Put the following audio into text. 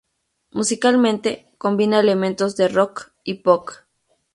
Musicalmente, combina elementos de rock y pop.